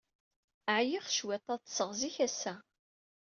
Ɛyiɣ cwiṭ. Ad ṭṭseɣ zik ass-a.